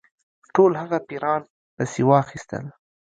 ټول هغه پیران پسي واخیستل.